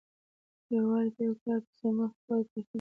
یوازې په یوه کار پسې مخه کول کافي نه دي.